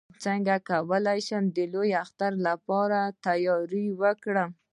څنګه کولی شم د لوی اختر لپاره تیاری وکړم